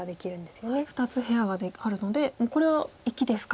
２つ部屋があるのでもうこれは生きですか。